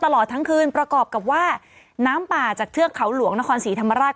ตลอดทั้งคืนประกอบกับว่าน้ำป่าจากเทือกเขาหลวงนครศรีธรรมราช